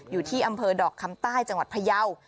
อยู่ที่อำเภอดอกคำใต้จังหวัดพยาว